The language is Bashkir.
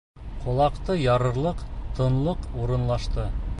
Ҡолаҡты ярырлыҡ тынлыҡ урынлашты.